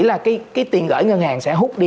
là cái tiền gửi ngân hàng sẽ hút đi